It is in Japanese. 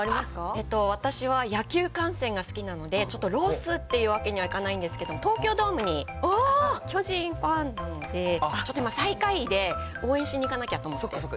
えーと、私は野球観戦が好きなので、ちょっとロスっていうわけにはいかないんですけど、東京ドームに、巨人ファンなので、ちょっと今、最下位で応援しに行かなきゃと思って。